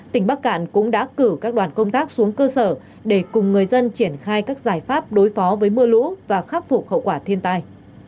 tỉnh bắc cạn cũng đã cử các đoàn công tác xuống cơ sở để cùng người dân triển khai các giải pháp đối phó với mưa lũ và khắc phục hậu quả thiên tai